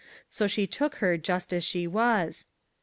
So she took her just as she was.